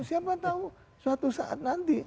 siapa tahu suatu saat nanti